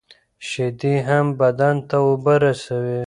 شیدې هم بدن ته اوبه رسوي.